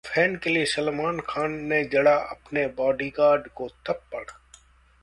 fan के लिए सलमान खान ने जड़ा अपने बॉडीगार्ड को थप्पड़